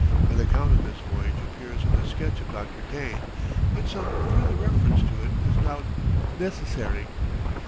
An account of this voyage appears in the sketch of Dr. Kane, but some further reference to it is now necessary.